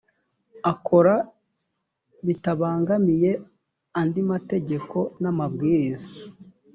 akora bitabangamiye andi mategeko n ‘amabwiriza .